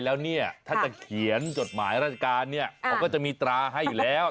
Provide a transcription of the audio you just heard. อันนั้นจดหมายส่วนตัว